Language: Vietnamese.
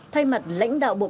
thay mặt lãnh đạo bộ công an